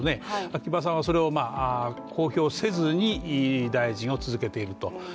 秋葉さんはそれを公表せずに大臣を続けていると。